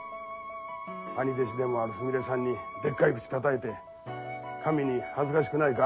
兄弟子でもあるすみれさんにでっかい口たたいて神に恥ずかしくないか？